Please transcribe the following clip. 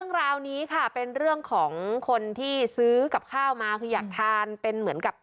ราวนี้ค่ะเป็นเรื่องของคนที่ซื้อกับข้าวมาคืออยากทานเป็นเหมือนกับ